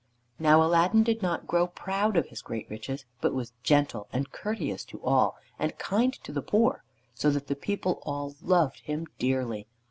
Now Aladdin did not grow proud of his great riches but was gentle and courteous to all, and kind to the poor, so that the people all loved him dearly.